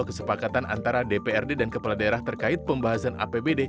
kesepakatan antara dprd dan kepala daerah terkait pembahasan apbd